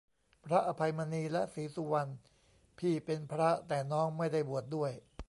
พระอภัยมณี และศรีสุวรรณ พี่เป็นพระ แต่น้องไม่ได้บวชด้วย